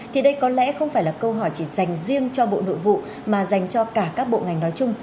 thì đây có lẽ không phải là câu hỏi chỉ dành riêng cho bộ nội vụ mà dành cho cả các bộ ngành nói chung